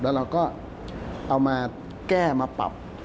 แล้วเราก็เอามาแก้มาปรับ